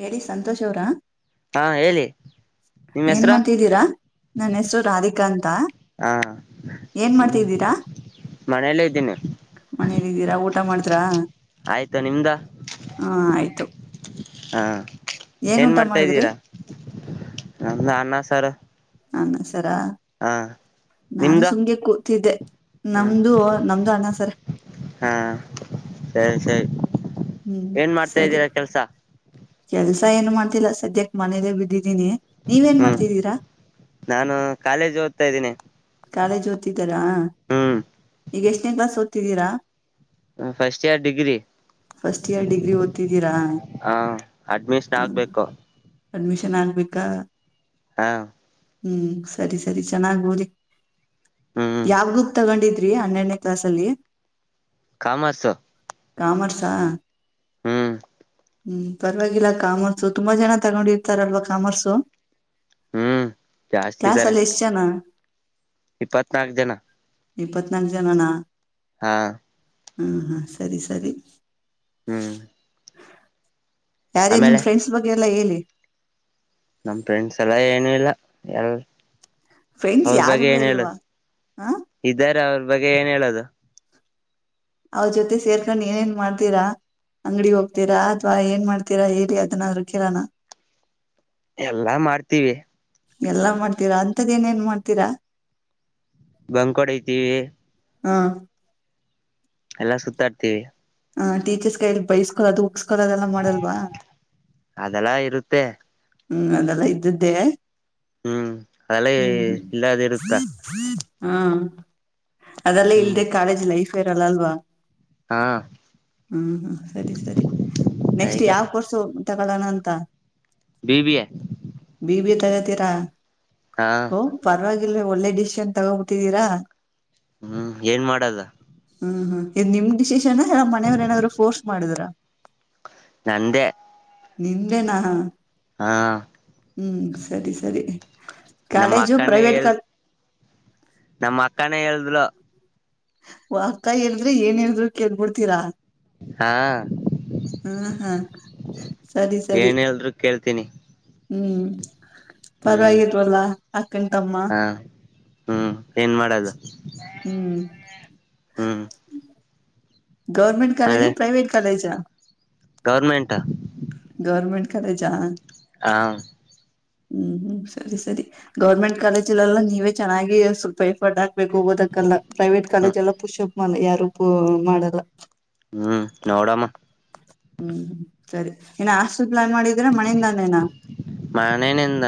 ಹೇಳಿ ಸಂತೋಷ್ ಅವ್ರಾ ಹಾ ಹೇಳಿ ನಿಮ್ಮ್ ಏನ್ ಹೆಸರು ಮಾಡ್ತಿದ್ದೀರಾ ನನ್ನ ಹೆಸರು ರಾಧಿಕಾ ಹಾ ಏನ್ ಹೂ ಮಾಡ್ತಿದ್ದೀರಾ ಮನೆಯಲ್ಲೇ ಇದ್ದೀನಿ ಮನಲ್ಲಿದ್ದೀರಾ ಊಟ ಮಾಡಿದ್ರ ಆಯ್ತಾ ನಿಮ್ದ ಹಾ ಆಯ್ತು ಹಾ ಏನ್ ಊಟ ಮಾಡ್ತಾ ಮಾಡಿದ್ರಿ ಇದ್ದೀರಾ ನಂದು ಅನ್ನ ಸಾರು ತರ ಹಾ ನಾನು ನಿಮ್ದ ಸುಮ್ಗೆ ಕೂತಿದ್ದೆ ಹ್ಮ್ ನಮ್ದು ನಮ್ದು ಅನ್ನಸರ ಹಾ ಸರಿ ಸರಿ ಹ್ಮ್ ಏನ್ ಮಾಡ್ತಾ ಸರಿ ಇದ್ದೀರಾ ಕೆಲ್ಸ ಕೆಲ್ಸ ಏನ್ ಮಾಡ್ತಿಲ್ಲ ಸದ್ಯಕ್ ಮನೇಲೆೇ ಬಿದ್ದಿದ ನಿ ನೀವೇನ್ ಹ್ಮ್ ಮಾಡ್ತಿದ್ದೀರಾ ನಾನು ಕಾಲೇಜ್ ಓದ್ತಾ ಇದ್ದೀನಿ ಕಾಲೇಜ್ ಓದ್ತಿದ್ದಾರಾ ಹ್ಮ್ ಈಗ ಎಷ್ಟನೇನ್ ಕ್ಲಾಸ್ ಓದ್ತಿದ್ದೀರಾ first year degree first year degree ಓದ್ತಿದ್ದೀರಾ ಹ ಅಡ್ಮಿಷನ್ ಹೂ ಆಗ್ಬೇಕು ಅಡ್ಮಿಷನ್ ಆಗ್ಬೇಕಾ ಹಾ ಹೂ ಸರಿ ಸರಿ ಚೆನ್ನಾಗ್ ಓದಿ ಹ್ಮ್ ಯಾವ ಗೂಪ್ ತಗೊಂಡಿದ್ರಿ ಹನ್ನೆರಡನೇ ಕ್ಲಾಸ್ ಅಲ್ಲಿ ಕಾಮರ್ಸ್ ಕಾಮರ್ಸಾ ಹ್ಮ್ ಹ್ಮ್ ಪರವಾಗಿಲ್ಲ ಕಾಮರ್ಸು ತುಂಬಾ ಜನ ತಗೊಂಡಿರ್ತಾರಲ್ವಾ ಕಾಮರ್ಸು ಹ್ಮ್ ಕ ಸಲ್ಲಷ್ಟಚಾನ ಇಪ್ಪತ್ನಾಕು ಜನ ಇಪ್ಪತ್ನಾಕು ಜನನಾ ಹಾ ಹ್ಮ ಹಾ ಸರಿ ಸರಿ ಹ್ಮ್ ಯಾರೇ ನಿಮ್ ಆಮೇಲೆ ಫ್ರೆಂಡ್ಸ್ ಬಗ್ಗೆ ಎಲ್ಲ ಹೇಳಿ ನಮ ಫ್ರೆಂಡ್ಸ್ ಎಲ್ಲ ಏನುೂ ಇಲ್ಲ ಎಲ್ ಫ್ರೆಂಡ್ಸ್ ಅವ್ರ ಬಗ್ಗೆ ಯಾರುವೇ ಏನ್ ಇಲ್ವಾ ಹೇಳುದು ಹ ಇದ್ದಾರೆ ಅವ್ರ ಬಗ್ಗೆ ಏನ್ ಹೇಳದು ಅವ್ರ ಜೊತೆ ಸೇರ್ಕೊಂಡ್ ಏನೇನ್ ಮಾಡ್ತೀರಾ ಅಂಗ್ಡಿ ಹೋಗ್ತೀರಾ ಅಥ್ವಾ ಏನ್ ಮಾಡ್ತೀರಾ ಹೇಳಿ ಅದನ್ನ ಹರುಕಿರಾನ ಎಲ್ಲಾ ಮಾಡ್ತೀವಿ ಎಲ್ಲಾ ಮಾಡ್ತೀರಾ ಅಂತ್ದ ಏನೇಏನ್ ಮಾಡ್ತೀರಾ ಬಂಕವಾಡತಿವಿ ಹಾ ಎಲ್ಲಾ ಸುತ್ತಾಡ್ತೀವಿ ಹ ಟೀಚರ್ಸ್ ಕೈಡ್ ಬೈಸ್ಕೊಲ್ ಅದು ಹಗಸ್ಕೊಲ್ ಅದೆಲ್ಲಾ ಮಾಡಲ್ವಾ ಪ ಹ್ಮ್ ಅದೆಲ್ಲ ಇದ್ದ್ದೆ ಹ್ಮ್ ಅದೆಲ್ಲ ಹ್ಮ್ ಇಲ್ಲದ ಇರುತ್ತ ಹ್ಮ್ ಹ್ಮ ಅದೆಲ್ಲ ಹ್ಮ್ ಇಲ್ದೆ ಕಾಲೇಜ್ ಲೈಫ್ ಇರಲ್ಲ ಅಲ್ವಾ ಹಾ ಹ್ಮ್ ಹ್ಮ್ ಸರಿ ಸರಿ ನೆಕ್ಸ್ಟ್ ಹಾಗೆ ಯಾವ ವರ್ಸ ತಗೊಳ್ಳೋಣ ಅಂತ B B A B B ತಗತೀರಾ ಹಾ ಓಹ್ ಪರವಾಗಿಲ್ ಒಳ್ಳೆ ಡಿಶಷನ್ ತಗೋಬಟ್ಟಿದೀರಾ ಹ್ಮ್ ಏನ್ ಮಾಡದ ಇ ನಿಮ್ ಡಿಸಿಷನ್ಲ್ಲ ಮನೆಯವ್ರ ಏನಾದ್ರುಫೋಸ್ ಮಾಡಿದ್ರ ನಂದೇ ನಿಂದೇನಾ ಹಾ ಹ್ಮ್ ಸರಿ ಸರಿ ನಮ್ಮ ಕಾಲೇಜು ಅಕ್ಕನೇ ಪ್ರೈವೇಟ್ ಹೇಳ್ ಕ ನಮ್ಮ ಅಕ್ಕಾನೇ ಹೇಳಿದ್ಲು ಅಕ್ಕ ಹೇಳಿದ್ರೆ ಏನ್ ಹೇಳಿದ್ರು ಕೇಳ್ಬಿಡ್ತೀರಾ ಹಾ ಹ್ಮ್ ಹ್ಮ್ ಸರಿ ಸರಿ ತಿನಿ ಹ್ಮ್ ಪರವಾಗಿರ್ವಲ್ಲಾ ಅಕ್ಕನ ತಮ್ಮ ಹಾ ಹ್ಮ್ ಏನ್ ಮಾಡದು ಹ್ಮ್ ಗೌರ್ಮೆಂಟ್ ಕಾಲೇಜ ಪ್ರೈವೇಟ್ ಕಾಲೇಜಾ ಗೌರ್ಮೆಂಟಾ ಗವರ್ಮೆಂಟ್ ಕಾಲೇಜ ಹ ಹ್ಮ್ ಹ್ಮ್ ಸರಿ ಸರಿ ಗೌರ್ಮೆಂಟ್ ಕಾಲೇಜ್ಲೆಲ್ಲ ನೀವೇ ಚೆನ್ನಾಗಿ ಸ್ವಲ್ಪ ಫಟ್ ಬೇಗ್ ಹೋಗೋದಕ್ಕಲ್ಲ ಪ್ರೈವೇಟ್ ಹ್ಮ್ ಕಾಲೇಜ್ ಎಲ್ಲ ಪುಷಪ್ ಯಾರು ಮಾಡಲ್ಲ ಹ್ಮ್ ನೋಡಮ್ಮ ಹ್ಮ್ ಹ್ಮ್ ಸರಿ ಏನ ಆಸ್ಟಲ್ ಪ್ಲಾನ್ ಮಾಡಿದ್ರೆ ಮನೆಯಿಂದಾನೇನ ಮಾನೇನೆ ಎಂದ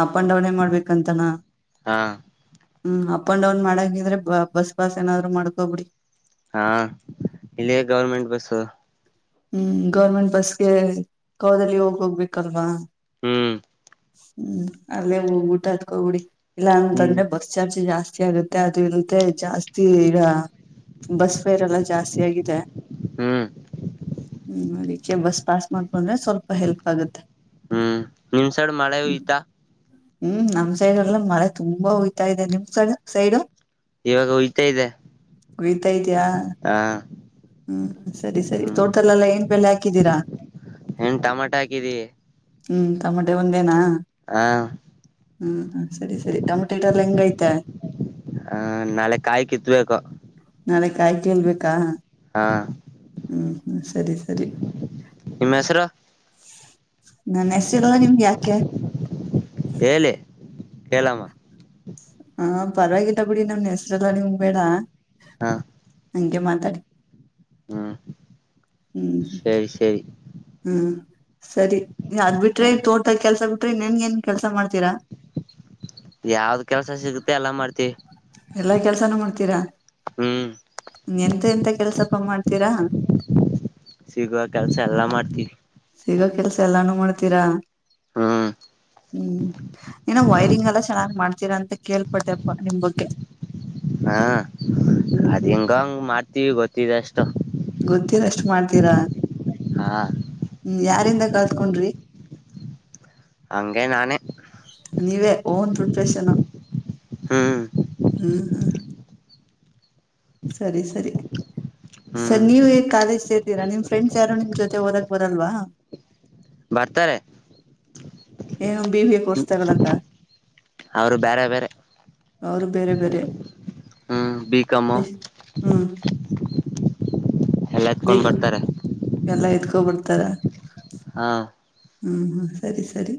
ಅಪ್ ಅಂಡ್ ಡೌನ್ ಮಾಡ್ಬೇಕಂತಾನ ಹಾ ಹ್ಮ್ ಅಪ್ ಅಂಡ್ ಡೌನ್ ಮಾಡಕಿದ್ರೆ ಬಸ್ ಬಾಸ್ ಏನಾದ್ರು ಮಾಡ್ಕೊಬಿಡಿ ಹಾ ಇಲ್ಲಿಯ ಗೌರ್ಮೆಂಟ್ ಬಸ್ಸು ಹ್ಮ್ ಗೌರ್ಮೆಂಟ್ ಬಸ್ಗೆ ಕವದಲ್ಲಿ ಹೋಗ ಹೋಗ್ಬೇಕಲ್ವಾ - ಹ್ಮ್ ಹ್ಮ್ ಅಲ್ಲೇ ಉಲ್ಟಾ ಹತ್ತಿಕೊಂಡ್ಬಿಡಿ ಇಲ್ಲಾ ಹ್ಮ್ ಅಂತಂದ್ರೆ ಬರ್ಸ್ ಚಾರ್ಜ ಜಾಸ್ತಿ [inaudible] ಆಗುತ್ತೆ ಅದು ಇಂತೆ ಜಾಸ್ತಿ ಈಗ ಬಸ್ ಪೇರೆಲ್ಲ ಜಾಸ್ತಿ ಆಗಿದೆ. ಹ್ಮ್ ಅದಕ್ಕೆ ಬಸ್ ಪಾಸ್ ಮಾಡ್ಕೊಂಡ್ರೆ ಸ್ವಲ್ಪ ಹೆಲ್ಪ್ ಆಗತ್ತೆ. ಹ್ಮ್ ನಿಮ್ ಸೈಡ್ ಮಳೆ [inaudible] ಹೊಯ್ತಾ ಹ್ಮ್ ನಮ್ಮ ಸೈಡ್ ಎಲ್ಲ ಮಳೆ ತುಂಬಾ ಹೊಯ್ತಾ ಇದೆ ನಿಮ್ ಸೈಡ್ ಸೈಡು ಇವಾಗ ಹೊಯ್ತಾ ಇದೆ [inaudible] ಹುಯ್ಯಾತದೀಯ? ಹ ಹ್ಮ್ ಸರಿ ಸರಿ ಹ್ಮ್ ತೋಟಲ್ಲಲ್ಲ ಏನ್ ಬೇಳೆ ಹಾಕಿದೀರಾ? ಟೊಮೊಟೊ ಹಾಕಿದೇವಿ. ಹ್ಮ್ ಟಮಟೆ ಒಂದೇನಾ ಹ್ಮ ಸರಿ ಸರಿ ಟಮಟೆ ಲ್ಲ ಹೆಂಗ ಆಯ್ತೇ? ಹ ನಾಳೆ ಕಾಯಿ ಕಿತ್ಬೇಕು ನಾಳೆ ಕಾಯಿ ಕಿಲ್ಲಬೇಕಾ? ಹಾ ಹ್ಮ್ ಹ್ಮ ಸರಿ ಸರಿ. ನಿಮ್ಮ್ ಹೆಸರು ನನ್ನ [inaudible] ಯಾಕೆ? ಹೇಳಿ ಹೇಳಮ್ಮ ಹ ಪರವಾಗಿಲ್ಲ ಬಿಡಿ ನಮ್ ಹೆಸರೆಲ್ಲ ನಿಮ್ಗ ಬೇಡ. ಹಾ ಹಂಗೆ ಮಾತಾಡಿ ಹ್ಮ್ ಹ್ಮ್ ಸರಿ ಸರಿ. ಹ್ಮ್ ಸರಿ ಅದ್ ಬಿಟ್ರೆ ಹ ತೋಟದ ಕೆಲ್ಸ ಬಿಟ್ರಿ ಇನ್ನೇನ್ ಏನ್ ಕೆಲ್ಸ ಮಾಡ್ತೀರಾ? ಯಾವ್ದ ಕೆಲ್ಸ ಸಿಗುತ್ತೆ ಎಲ್ಲ ಮಾಡ್ತೀವಿ. ಎಲ್ಲಾ ಕೆಲ್ಸಾನೂ ಮಾಡ್ತೀರಾ. ಹ್ಮ್ ಎಂತ ಎಂತ ಕೆಲ್ಸಪ್ಪ ಮಾಡ್ತೀರಾ. ಸಿಗೋವ ಕೆಲ್ಸ ಎಲ್ಲಾ ಮಾಡ್ತಿವಿ. ಸಿಗೋ ಕೆಲ್ಸ ಎಲ್ಲಾನು ಮಾಡ್ತೀರಾ ಹ್ಮ್ ಹ್ಮ್ ಏನ ವೈರಿಂಗ್ ಎಲ್ಲ ಚೆನ್ನಾಗ್ ಮಾಡ್ತೀರಾ ಅಂತ ಕೆಳಪಟ್ಟೆಪಾ ನಿಮ್ ಬಗ್ಗೆ. ಹಾ ಹ್ಮ್ ಅದ್ ಹ್ಮ್ ಹಿಂಗೋಹಂಗೋ ಮಾಡ್ತೀವಿ ಗೊತ್ತಿದೆ ಅಷ್ಟು. ಗೊತ್ತಿರಷ್ಟು [unintelligible] ಹಾ ಯಾರಿಂದ ಕಳ್ತ್ಕೊಂಡ್ರಿ. ಹಂಗೆ ನಾನೇ- ನೀವೇ ಓನ್ ಪ್ರೊಫ್ರಷನ್ ಹ್ಮ್ ಹ್ಮ್ ಹ್ಮ್. ಸರಿ ಸರಿ. ಹ್ಮ್ ಸರ್ ನೀವೇ ಕಾಲೇಜ್ ಸೇರ್ತೀರಾ ನಿಮ್ ಫ್ರೆಂಡ್ಸ್ ಯಾರು ನಿಮ್ ಜೊತೆ ಓದಕ್ ಬರಲ್ವಾ? ಬರ್ತಾರೆ. ಏನು ಬಿ ವಿ ಎ ಕೋರ್ಸ್ ತೊಗೊಲಕ್ಕ. ಅವರು ಬೇರೆ ಬೇರೆ ಅವ್ರು ಬೇರೆ ಬೇರೆ ಹ್ಮ್ ಬಿ ಕಾಮು ಹ್ಮ್. ಎಲ್ಲತ್ಕೊಂಡು ಬರ್ತಾರೆ. ತೊಗೊ ಬರ್ತರಾ? ಹಾ ಹ್ಮ್ ಹ್ಮ ಸರಿ ಸರಿ.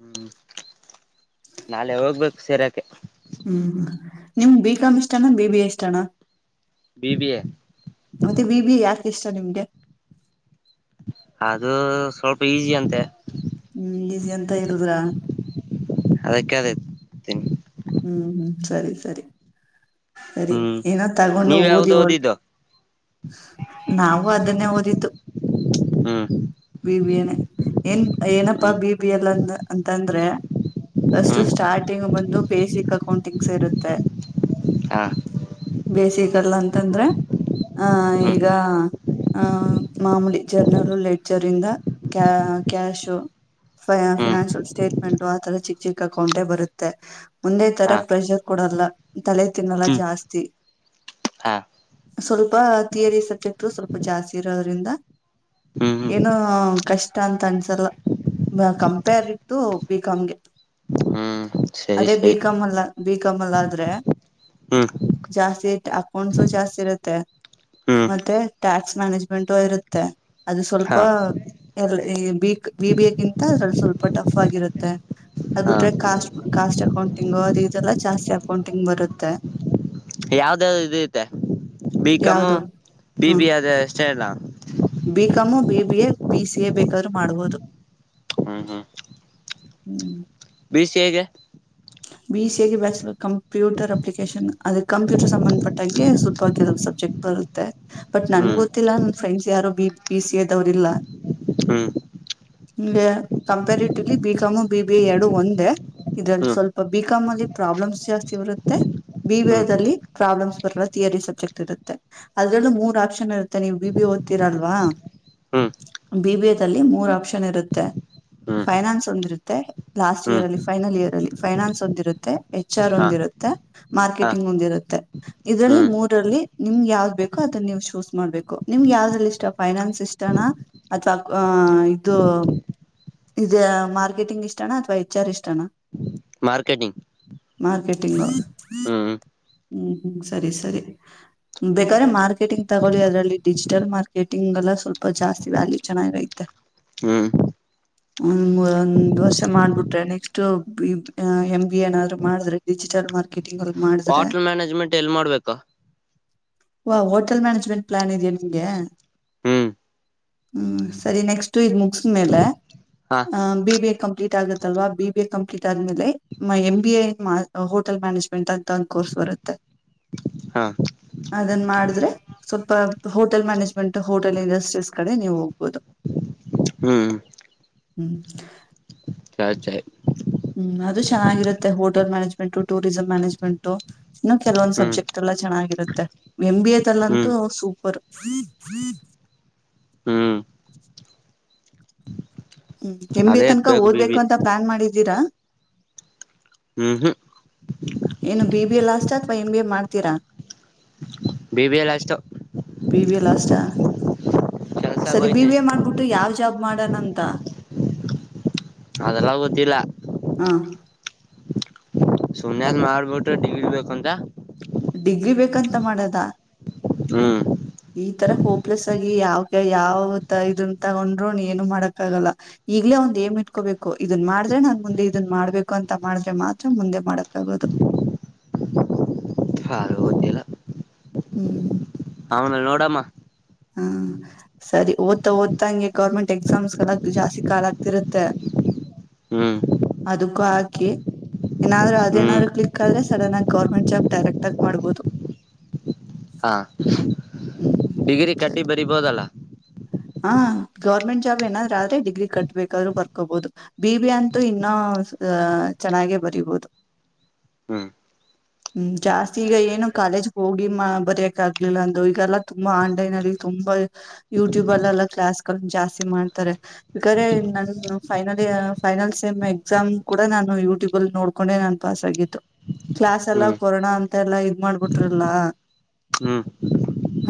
ಹ್ಮ್ ನಾಳೆ ಹೋಗ್ಬೇಕು ಸೇರಾಕೆ. ಹ್ಮ್ ನಿಮ್ಗ ಬಿ ಕಾಮ್ ಇಷ್ಟಾನಾ ಬಿ ಬಿ ಎ ಇಷ್ಟಾನಾ. B B A. B B A ಯಾಕ ಇಷ್ಟ ನಿಮಗೆ? ಅದು ಸ್ವಲ್ಪ ಈಸಿ ಅಂತೆ ಹ್ಮ್ ಇದ ಎಂತ ಇಲ್ದ್ರ ಅದಕ್ಕೆದತನ್ಿ ಹ್ಮ್ ಹ್ಮ್ ಸರಿ ಸರಿ ಸರಿ ಹ್ಮ್ ಏನ ತಗೊಂಡು ನೀವ್ ಓದಿ ಯಾವ್ದು ಹೋಳ ಓದಿದ್ದು ನಾವು ಅದನ್ನೇ ಓದಿದ್ದು ಹಾ ಬಿಬಿ ಎ ಏನ್ ಏನಪ್ಪಾ ಹ್ಮ್ ಬಿಬ ಎಲ್ಲಂದ ಅಂತಂದ್ರೆ ಫಸ್ಟು ಹ್ಮ್ ಸ್ಟಾರ್ಟಿಂಗ್ ಬಂದು ಬೇಸಿಕ್ ಅಕೌಂಟಿಂಗ್ಸ್ ಇರುತ್ತೆ ಹಾ ಬೇಸಿಕಲ್ಲ ಅಂತಂದ್ರೆ ಆ ಹ್ಮ್ ಈಗ ಆ ಮಾಮೂಡಿ ಜರ್ನರುಲೆಟ್ ರಿಂದ ಕ ಕ್ಯಾಶು ಹ್ಮ್ ಫಿನಾನ್ಸಿಯಲ್ ಸ್ಟೇಟ್ಮೆಂಟ್ು ಆ ತರ ಚಿಕ್ಕ ಚಿಕ್ಕ ಅಕೌಂಟೆ ಬರುತ್ತೆ ಒಂದೇ ತರ ಹಾ ಪ್ರೆಷರ್ ಕೂಡ ಲ್ಲ ತಲೆ ತಿನ್ನಲ್ಲ ಹ್ಮ್ ಜಾಸ್ತಿ ಹಾ ಸ್ವಲ್ಪ ಥಿಯರಿ ಸಬ್ಜೆಕ್ಟ್ ಸ್ವಲ್ಪ ಜಾಸ್ತಿ ಇರೋದ್ರಿಂದ ಹ್ಮ್ ಹ್ಮ್ ಏನ ಕಷ್ಟ ಅಂತ ಅನ್ಸಲ್ಲ ಕಂಪೇರ್ ಇಟ್ಟು ಬಿಿಕಾಾಮ್ಗೆ ಹ್ಮ್ ಸರಿ ಅದೇ ಸರಿ ಬಿಕಾಮ್ ಅಲ್ಲ ಬಿಕಾಮ ಅಲ್ಲ ಆದ್ರೆ ಹ್ಮ್ ಜಾಸ್ತಿ ಇ ಅಕೊಂಡಸು ಜಾಸ್ತಿ ಇರುತ್ತೆ ಹ್ಮ್ ಮತ್ತೆ ಟ್ಯಾಕ್ಸ್ ಮ್ಯಾನೇಜ್ಮೆಂಟ್ ಇರುತ್ತೆ ಅದು ಸ್ಪ ಹಾ ಎ ಬಿಬಿಯಗಿಂತ ಅದ್ರಲ್ಲಿ ಸ್ವಲ್ಪ ಟಫ್ ಆಗಿರುತ್ತೆ ಹಾ ಅದಬಿಟ್ರೆ ಕಾಸ್ಟ್ ಕಾಸ್ಟ್ ಅಕೌಂಟಿಂಗು ಅದು ಇದೆಲ್ಲ ಜಾಸ್ತಿ ಅಕೌಂಟಿಂಗ್ ಬರುತ್ತೆ ಯಾವ್ದ ಇದ ತೆ ಬಿಿಕಮು ಯಾವ್ದು ಬಿ ಬಿ ಅದು ಅಷ್ಟೇ ಅಲ್ಲ ಬಿಕಾಮು ಬಿಬಿ ಎ ಬಿಸಿಎ ಬೇಕಾದ್ರೂ ಮಾಡುವುದು ಹ್ಮ್ ಹ್ಮ್ ಬಿ ಸಿ ಎಗೆ ಬಿ ಸಿ ಗೆ ಬಯಸ್ ಕಂಪ್ಯೂಟರ್ ಅಪ್ಲಿಕೇಶನ್ ಅದೇ ಕಂಪ್ಯೂಟರ್ ಸಂಬಂಧಪಟ್ಟಾಗ ಸ್ವಲ್ಪ ಬರುತ್ತೆ ಬಟ್ ನನ್ ಗೊತ್ತಿಲ್ಲ ನ ಫ್ರೆಂಡ್ಸ್ ಯಾರೋ ಬಿ ಸಿ ಎದವ್ರಲ್ಲಾ ಹ್ಮ ಇ comparatively B com B B ಎರಡು ಒಂದೇ ಇದ್ರಲ್ಲಿ ಹ್ಮ್ ಸ್ವಲ್ಪ ಬಿಿಕಾಮ್ ಅಲ್ಲಿ ಪ್ರಾಬ್ಲಮ್ಸ್ ಜಾಸ್ತಿ ಇರುತ್ತೆ ಹ್ಮ್ ಬಿಬಲ್ಲಿ ಪ್ರಾಬ್ಲಮ್ಸ್ ಬರಲ್ಲ ಥಿಯರಿ ಸಬ್ಜೆಕ್ಟ್ ಇರುತ್ತೆ ಅದ್ರಲ್ಲೂ ಮೂರ್ ಆಪ್ಷನ್ ಇರುತ್ತೆ ನೀವು್ ಬಿ ಬಿ ಓ್ತಿರಲ್ವಾ ಹ್ಮ ಬಿಬಿಎ ದಲ್ಲಿ ಮೂರ್ ಆಪ್ಷನ್ ಇರುತ್ತೆ ಹ್ಮ್ ಫೈನಾನ್ಸ್ ಒಂದಿರುತ್ತೆ ಲಾಸ್ಟ್ ಇಯರ್ ಹ್ಮ್ ಅಲ್ಲಿ ಫೈನಲ್ ಇಯರ್ ಅಲ್ಲಿ ಫೈನಾನ್ಸ್ ಒಂದಿರುತ್ತೆ ಎಚ್ ಆರ್ ಹಾ ಒಂದಿರುತ್ತೆ ಹಾ ಮಾರ್ಕೆಟಿಂಗ್ ಒಂದಿ ಇರುತ್ತೆ ಇದರಲ್ಲಿ ಹ್ಮ್ ಮೂರಲ್ಲಿ ನಿಮ್ಗೆ ಯಾವ್ದ್ ಬೇಕ ಅದನ್ನ ನೀ್ ಚೂಸ್ ಮಾಡ್ಬೇಕು ನಿಮ್ಗೆ ಯಾವ್ದಲ್ಲಿ ಇಷ್ಟ ಫೈನಾನ್ಸ್ ಇಷ್ಟನಾ ಅಥವಾ ಆ ಇದು ಇ ಮಾರ್ಕೆಟಿಂಗ್ ಇಷ್ಟಣ ಅಥವಾ ಹೆಚ್ ಆರ್ ಇಷ್ಟಣ ಮಾರ್ಕೆಟಿಂಗ್ ಮಾರ್ಕೆಟ್ಟಿಂಗ್ ಹ್ಮ್ ಹ್ಮ್ ಹ್ಮ್ ಸರಿ ಸರಿ ಬೇಕಾದ್ರೆ ಮಾರ್ಕೆಟಿಂಗ್ ತಗೊಳ್ಳಿ ಅದ್ರಲ್ಲಿ ಡಿಜಿಟಲ್ ಮಾರ್ಕೆಟಿಂಗ್ ಗೆಲ್ಲ ಸ್ವಲ್ಪ ಜಾಸ್ತಿ ವ್ಯಾಲ್ಯೂ ಚೆನ್ನಾಗಿ ಐತೆ ಹ್ಮ್ ಒ ಒಂದ್ ವರ್ಷ ಮಾಡ್ಬಿಟ್ರೆ ನೆಕ್ಸ್ಟ್ ಬಿ ಎಂ ಬಿ ಏನಾದ್ರು ಮಾಡಿದ್ರೆ ಡಿಜಿಟಲ್ ಮಾರ್ಕೆಟ್ ತಿ ಮಾಡಿದ್ರೆ ಜ್ಮಂಟ್ ಎಲ್ಲಿ ಮಾಡ್ಬೇಕಾ ವ ಹೋಟಲ್ ಮನೇಜ್ಮೆಂಟ್ ಪ್ಲಾನ್ ಇದಯ ನಿನ್ಗೆ ಹ್ಮ್ ಹ್ಮ್ ಸರಿ ನೆಕ್ಸ್ಟ್ ಇ ಮುಗಸಿದ ಮೇಲೆ ಹಾ ಬಿಬಿ ಕಂ ಡಿ ಟಾ ಆಗುತ್ತಲ್ವಾ ಬಿ ಬಿ ಎ ಕಂಪ್ಲೀಟ್ ಆದ್ಮೇಲೆ ಮ ಎಂ ಬಿ ಎ ಮಾ ಹೋಟೆಲ್ ಮ್ಯಾನೇಜ್ಮೆಂಟ್ ಅಂತ ಒಂದು ಕೋರ್ಸ್ ಬರುತ್ತೆ. [unintelligible] ತ್ತೆ ಹಾ ಅದನ್ ಮಾಡಿದ್ರೆ [unintelligible] ಸ್ವಲ್ಪ ಹೋಟೆಲ್ ಮ್ಯಾನೇಜ್ಮೆಂಟ್ ಹೋಟೆಲ್ ಇಂಡಸ್ಟ್ರೀಸ್ ಕಡೆ ನೀವು ಹೋಗ್ಬೋದು. ಹ್ಮ್ [unintelligible] ಹು [unintelligible] ಅತ್ತೆ? [unintelligible] ಅದು ಚೆನ್ನಾಗಿರುತ್ತೆ ಹೋಟೆಲ್ ಮಾನೇಜ್ಮೆಂಟ ಟೂರಿಸಂ ಮಾನೇಜ್ಮೆಂಟ್ ಇನ್ನು ಕೆಲೊಂದ್ ಹ್ಮ್ ಸಬ್ಜೆಟ್ ಎಲ್ಲ ಚೆನಾಗಿ [unintelligible] ಇರುತ್ತೆ ಎಂ ಬಿ ಎ ದಲ್ಲಂತೂ ಹ್ಮ್ ಸೂಪರು [unintelligible] ಹೂ [unintelligible] ಹು ಎಂ ಬಿ ಎ ಅದೇ ತನ್ಕ ಎತ್ಬೇಕು ಬಿ ಓದ್ಬೇಕು ಬಿ ಅಂತ ಪ್ಲಾನ್ ಮಾಡಿದ್ದೀರಾ? [unintelligible] ಹೂ ಹು [unintelligible] ಏನ್ ಬಿಬಿಎ ಲಾಸ್ಟ್ ಅಥವಾ ಎಂಬಿಎ ಮಾಡ್ತೀರಾ? ಬಿ ಬಿ ಎಲ್ [unintelligible] ಅಷ್ಟು ಬಿಬಿಎ ಲಾಸ್ಟಾ? [unintelligible] ಕೆಲ್ಸಕ್ ಸರಿ ಹೋಯ್ತೀನಿ ಬಿಬಿಎ ಮಾಡ್ಬಿಟ್ಟು ಯಾವ್ ಜಾಬ್ ಮಾಡಣಂತ? [unintelligible] ಅದ ಎಲ್ಲಾ ಗೊತ್ತಿಲ್ಲ? [unintelligible] ಹಾ [unintelligible] ಸುನ್ಯಾ ಮಾಡಬಿಟ್ಟು ಡಿಗ್ರ ಬೇಕುಂತ. [unintelligible] ಡಿಗ್ರಿ ಬೇಕಂತ ಮಾಡಿದ್ದ? [unintelligible] ಹೂ [unintelligible] ಈ ತರ ಹೋಪ್ಲೆಸ್ ಆಗಿ ಯಾವಕ ಯಾವತ ಇದನ್ನ ತಗೊಂಡ್ರರು ನೀ ಏನು ಮಾಡಕ್ ಆಗಲ್ಲ ಈವಿ [unintelligible] ಮುಂದೆ ಒಂದ್ ಏಮ್ ಇಟ್ಟಕೋಬೇಕು ಇದನ್ ಮಾಡಿದ್ರೆ ನಾನ್ ಮುಂದೆ ಇದನ್ ಮಾಡ್ಬೇಕು ಅಂತ ಮಾಡಿದ್ರೆ ಮಾತ್ರ ಮುಂದೆ ಮಾಡಕ್ ಆಗದು. [unintelligible] [unintelligible] ಅದು ಗೊತ್ತಿಲ್ಲ ಹೂ [unintelligible] ಅವನ ನೋಡಮ್ಮ ಹಾ ಸರಿ ಓದ್ತಾ ಓದತಾಂಗೆ ಗೌರ್ಮೆಂಟ್ ಎಕ್ಸಾಮ್ಸ್ ಕಲ್ಲ ಜಾಸ್ತಿ ಕಾಲ ಆಗ್ತಿರುತ್ತೆ. [unintelligible] [unintelligible] ಅದಕ್ಕೂ ಹಾಕಿ. [unintelligible] ಏನಾದ್ರೂ ಹ್ಮ್ ಅದೇನಾದ್ರು ಕ್ಲಿಕ್ ಆದ್ರೆ ಸಡನ್ ಆಗಿ ಗೌರ್ಮೆಂಟ್ ಜಾಬ್ ಡೈರೆಕ್ಟ್ ಆಗಿ ಮಾಡ್ಬೋದು. [unintelligible] ಹಾ ಹ್ಮ್ ಡಿಗ್ರಿ ಕಟ್ಟಿ ಬರಿಬೋದಲ್ಲ? [unintelligible] ಆ ಗೌರ್ಮೆಂಟ್ ಜಾಬ್ ಏನಾದ್ರು ಆದ್ರೆ ಡಿಗ್ರಿ ಕಟ್ಟ ಬೇಕಾದ್ರು ಬರ್ಕೋಬಹುದು ಬಿ ಬಿ ಎ ಅಂತೂ ಇನ್ನ [unintelligible] ಕುಸ್ತ ಚೆನ್ನಾಗೆ ಬರೀ ಬಹುದು. [unintelligible] ಹೂ [unintelligible] ಹೂ ಜಾಸ್ತಿ ಈಗ ಏನು ಕಾಲೇಜ್ ಹೋಗಿ ಬರಯಕ್ ಆಗ್ಲಿಲ್ಲ ಅಂದ ಈಗಲ್ಲಾ ತುಂಬಾ ಆನ್ಲೈನ್ ಅಲ್ಲಿ [unintelligible] ವಲ್ ಯೂ [unintelligible] ಯೂಟ್ಯೂಬಲ್ಲಿ ಎಲ್ಲ ಕ್ಲಾಸ್ಗಳ್ ಜಾಸ್ತಿ ಮಾಡ್ತಾರೆ ಬೇಕಾದ್ರೆ ನನ್ final year final same [unintelligible] exam ಕೂಡ ನಾನು ಯೂಟ್ಯೂಬ್ ಅಲ್ಲಿ ನೋಡ್ಕೊಂಡೆ ನಾನ್ ಪಾಸ್ ಆಗಿದ್ದು. [unintelligible] ಕ್ಲಾಸ್ ಎಲ್ಲಾ ಹ್ಮ್ ಕೊರೋನಾ ಅಂತ ಎಲ್ಲಾ ಇದ್ ಮಾಡ್ಬಿಟ್ರಲ್ಲ. [unintelligible] ಹ್ಮ್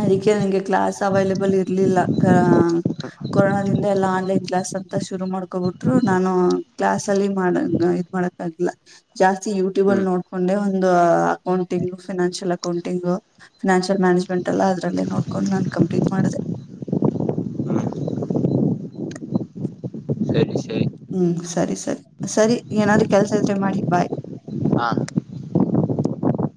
ಅದಕ್ಕೆ ನಂಗೆ ಕ್ಲಾಸ್ ಅವೈಲಬಲ್ ಇರ್ಲಿಲ್ಲ? [unintelligible] ಕ ಕೊರೋನ ದಿಂದ ಎಲ್ಲ ಆನ್ಲೈನ್ ಕ್ಲಾಸ್ ಅಂತ ಶುರು ಮಾಡ್ಕೋಬಿಟ್ರು ನಾನು ಕ್ಲಾಸ್ ಅಲ್ಲಿ [unintelligible] ಇಲ್ಲಿ ಮಾಡ ಇದ್ ಮಾಡಕ್ಕಾಗ್ಲಿಲ್ಲ ಜಾಸ್ತಿ ಹ್ಮ್ ಯೂಟ್ಯೂಬಲ್ಲಿ ನೋಡ್ಕೊಂಡೇ ಒಂದು accounting five [unintelligible] financial accounting financial management ಎಲ್ಲ ಅದರಲ್ಲೆ ನೋಕೊಂಡು ನಾನ್ ಕಂಪ್ಲೀಟ್ ಮಾಡಿದೆ. [unintelligible] ಹ್ಮ್ ಸರಿ ಸರಿ ಹೂ ಸರಿ ಸರಿ ಸರಿ ಏನಾದ್ರೂ ಕೆಲಸಾ ಇದ್ರೆ ಮಾಡಿ ಬಾಯ್. [unintelligible] [unintelligible]